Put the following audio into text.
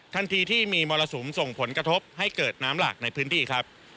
ทันทีที่มีมรสุมส่งผลกระทบให้เกิดน้ำหลากในพื้นที่ครับ